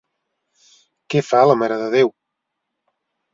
Què fa la Mare de Déu?